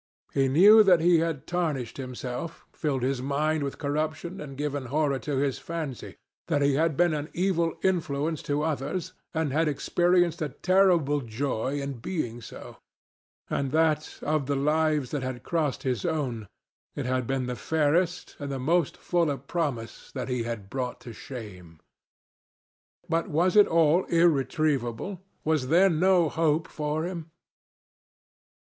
He knew that he had tarnished himself, filled his mind with corruption and given horror to his fancy; that he had been an evil influence to others, and had experienced a terrible joy in being so; and that of the lives that had crossed his own, it had been the fairest and the most full of promise that he had brought to shame. But was it all irretrievable? Was there no hope for him?